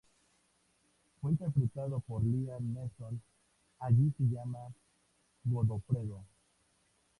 Fue interpretado por Liam Neeson; allí se llama Godofredo.